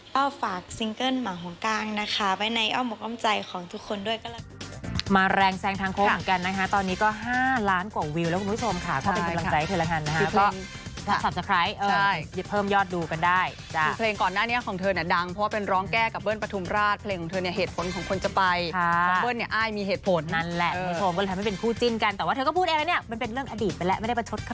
ก็ฝากซิงเกิลหมาของกลางนะคะไปในอ้อมกล้องใจของทุกคนด้วยก็แหละ